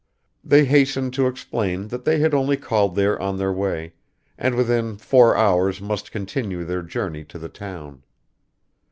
They hastened to explain that they had only called there on their way, and within four hours must continue their journey to the town.